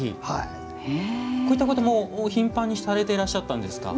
こういったこと、頻繁にされていらっしゃったんですか？